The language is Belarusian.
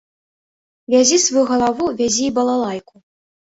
Вязі сваю галаву, вязі і балалайку.